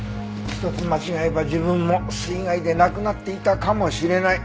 一つ間違えば自分も水害で亡くなっていたかもしれない。